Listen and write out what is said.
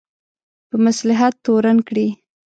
په مصلحت تورن کړي.